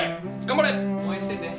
頑張れ。応援してんで。